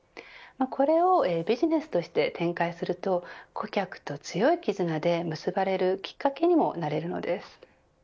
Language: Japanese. これをビジネスとして展開すると顧客と強いきずなで結ばれるきっかけにもなるのです。